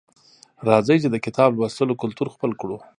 راځئ چې د کتاب لوستلو کلتور خپل کړو